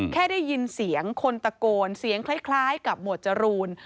แค่ได้ยินเสียงคนตะโกนเสียงคล้ายกับหมวดจรูน